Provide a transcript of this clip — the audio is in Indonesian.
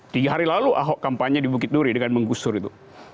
tiga hari lalu ahok kampanye di bukit duri dengan menggusur itu